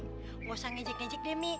nggak usah ngejek ngejek demi